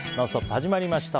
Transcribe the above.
始まりました。